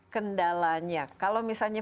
kendalanya kalau misalnya